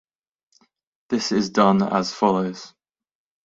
This is done as follows.